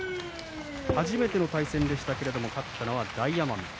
初めての対戦でしたけれども勝ったのは大奄美。